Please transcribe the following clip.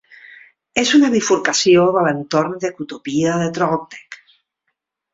És una bifurcació de l'entorn de Qtopia de Trolltech.